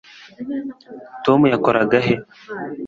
tom yakoraga he